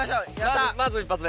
まず１発目。